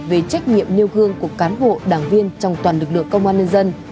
về trách nhiệm nêu gương của cán bộ đảng viên trong toàn lực lượng công an nhân dân